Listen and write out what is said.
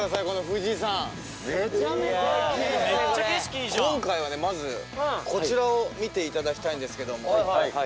今回はまずこちらを見ていただきたいんですけども。